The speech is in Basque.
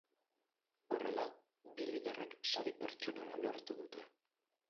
Horrela, bi liderrek sari pertsonala lortu dute.